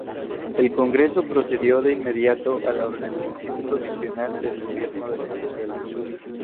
El Congreso procedió de inmediato a la organización provisional del gobierno de Venezuela.